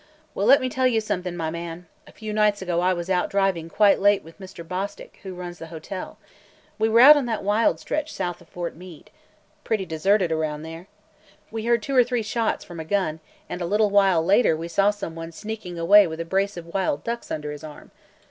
"Well, let me tell you something, my man! A few nights ago I was out driving quite late with Mr. Bostwick, who runs the hotel. We were out on that wild stretch south of Fort Meade. Pretty deserted around there. We heard two or three shots from a gun, and a little while later we saw some one sneaking away with a brace of wild ducks under his arm.